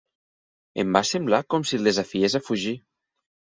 Em va semblar com si el desafiés a fugir.